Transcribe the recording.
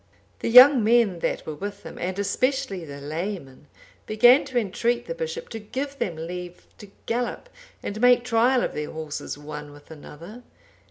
The young men that were with him, and especially the laymen, began to entreat the bishop to give them leave to gallop, and make trial of their horses one with another.